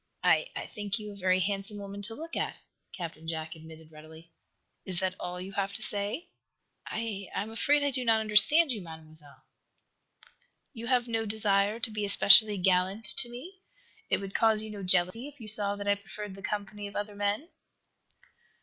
"I I think you a very handsome woman to look at," Captain Jack admitted, readily. "Is that all you have to say?" "I I am afraid I do not understand you, Mademoiselle." "You have no desire to be especially gallant to me? It would cause you no jealousy if you, saw that I preferred the company of other men?"